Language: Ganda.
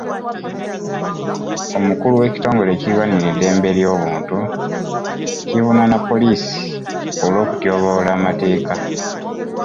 Omukulu w'ekitongole ekirwanirira eddembe ly'obuntu kivunaana poliisi olw'okutyoboola amateeka.